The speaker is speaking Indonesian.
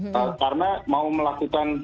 karena mau melakukan